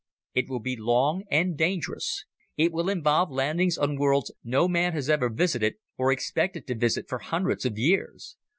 It will be long and dangerous, it will involve landings on worlds no man has ever visited or expected to visit for hundreds of years.